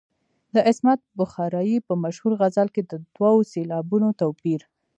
د عصمت بخارايي په مشهور غزل کې د دوو سېلابونو توپیر.